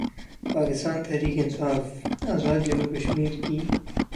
اکستان تحریک انصاف آزادجموں وکشمیر کی